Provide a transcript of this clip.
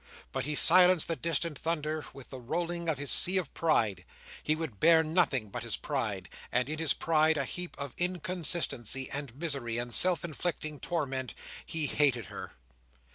But he silenced the distant thunder with the rolling of his sea of pride. He would bear nothing but his pride. And in his pride, a heap of inconsistency, and misery, and self inflicted torment, he hated her.